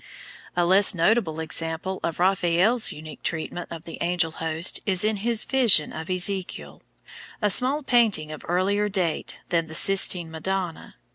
A less notable example of Raphael's unique treatment of the angel host is in his Vision of Ezekiel, a small painting of earlier date than the Sistine Madonna.